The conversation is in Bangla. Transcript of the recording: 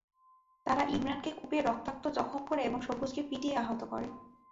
তারা ইমরানকে কুপিয়ে রক্তাক্ত জখম করে এবং সবুজকে পিটিয়ে আহত করে।